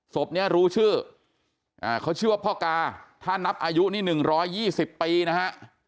ศพนี้รู้ชื่อเขาชื่อว่าพ่อกาถ้านับอายุนี่๑๒๐ปีนะฮะ